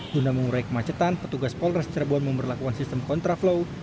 buna mengurai kemacetan petugas polres cirebon memberlakuan sistem kontraflow